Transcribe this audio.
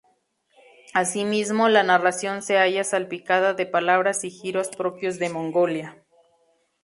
Asimismo, la narración se halla salpicada de palabras y giros propios de Mongolia.